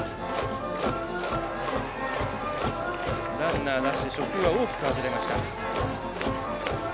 ランナーなし、初球は大きく外れました。